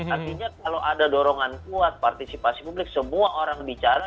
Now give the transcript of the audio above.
artinya kalau ada dorongan kuat partisipasi publik semua orang bicara